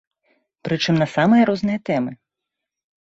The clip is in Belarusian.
Прычым на самыя розныя тэмы.